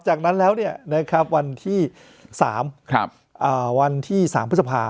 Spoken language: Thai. จากนั้นแล้วเนี่ยนะครับวันที่สามครับอ่าวันที่สามพฤษภา